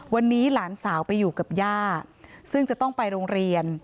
วันนี้หลานสาวไปอยู่กับย่าซึ่งจะต้องไปโรงเรียน